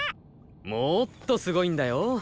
もっとすごいんだよ。